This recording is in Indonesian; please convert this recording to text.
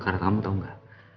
karena kamu tau nggak